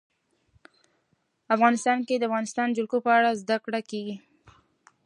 افغانستان کې د د افغانستان جلکو په اړه زده کړه کېږي.